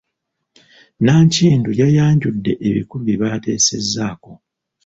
Nankindu yayanjudde ebikulu bye baateesezzaako.